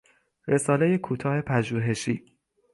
رسالهی کوتاه پژوهشی